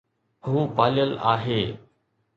هو پاليل آهي